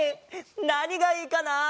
なにがいいかな？